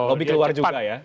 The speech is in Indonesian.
lobby keluar juga ya